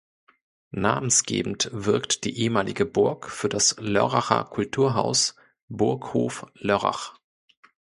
Namensgebend wirkt die ehemalige Burg für das Lörracher Kulturhaus Burghof Lörrach.